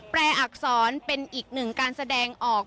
แปลอักษรเป็นอีกหนึ่งการแสดงออก